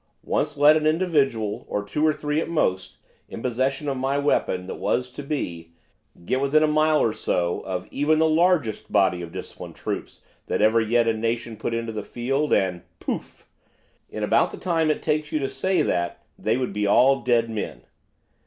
Once let an individual, or two or three at most, in possession of my weapon that was to be, get within a mile or so of even the largest body of disciplined troops that ever yet a nation put into the field, and pouf! in about the time it takes you to say that they would be all dead men.